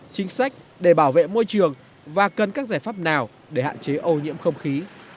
chính sách để bảo vệ môi trường và cần các giải pháp nào để hạn chế ô nhiễm không khí